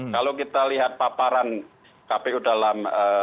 kalau kita lihat paparan kpu dalam